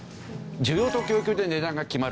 需要と供給で値段が決まる。